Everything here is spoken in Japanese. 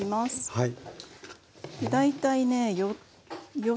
はい。